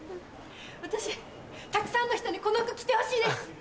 私たくさんの人にこの服着てほしいです！